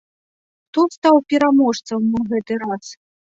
Хто стаў пераможцам на гэты раз?